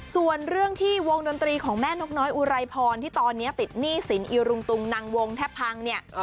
ส่วนเรื่องที่วงดนตรีของแม่นกน้อยอุไรพรที่ตอนนี้ติดหนี้สินอีรุงตุงนังวงแทบพังเนี่ย